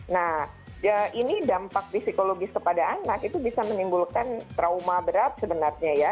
nah ini dampak psikologis kepada anak itu bisa menimbulkan trauma berat sebenarnya ya